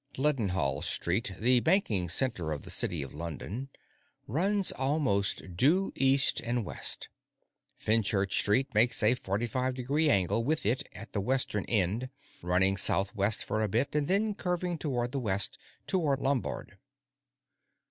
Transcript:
Leadenhall Street, the banking center of the City of London, runs almost due east and west; Fenchurch Street makes a forty five degree angle with it at the western end, running southwest for a bit and then curving toward the west, toward Lombard.